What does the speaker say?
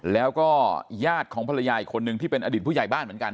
แล้วก็ญาติของภรรยาอีกคนนึงที่เป็นอดีตผู้ใหญ่บ้านเหมือนกัน